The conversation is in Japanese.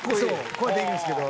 これでいいんですけど。